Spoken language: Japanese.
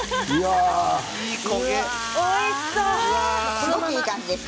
すごくいい感じです。